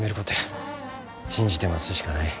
信じて待つしかない。